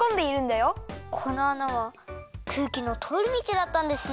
このあなはくうきのとおりみちだったんですね。